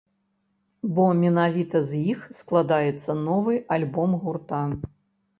Бо менавіта з іх складаецца новы альбом гурта.